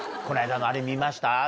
この間のあれ、見ました？